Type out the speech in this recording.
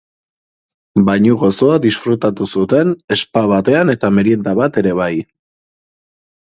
Bainu gozoa disfrutatu zuten spa batean eta merienda bat ere bai.